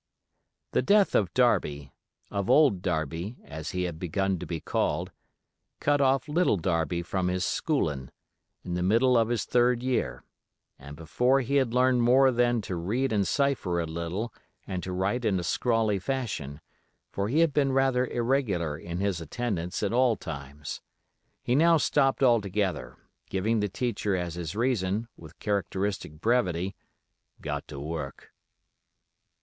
The death of Darby—of old Darby, as he had begun to be called—cut off Little Darby from his "schoolin'", in the middle of his third year, and before he had learned more than to read and cipher a little and to write in a scrawly fashion; for he had been rather irregular in his attendance at all times. He now stopped altogether, giving the teacher as his reason, with characteristic brevity: "Got to work."